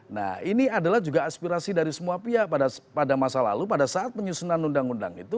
nah ini adalah juga aspirasi dari semua pihak pada masa lalu pada saat penyusunan undang undang itu